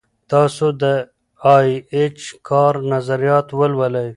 تاسو د ای اېچ کار نظریات ولولئ.